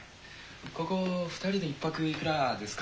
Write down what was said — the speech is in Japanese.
ここ２人で１ぱくいくらですか？